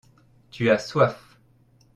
tu as soif.